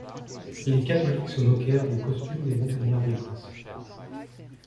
Les catholiques se moquèrent du costume des montagnards d'Écosse.